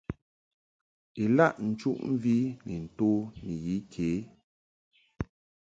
Ilaʼ nchuʼmvi ni nto ni yi ke.